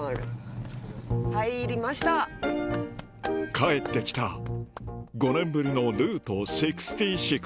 帰ってきた５年ぶりのルート６６